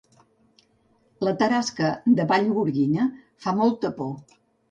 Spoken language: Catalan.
La tarasca de Vallgorguina fa molta por